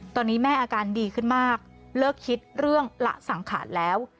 ตอนนี้แม่อาการดีขึ้นมากเลิกคิดเรื่องละสังขารแล้ว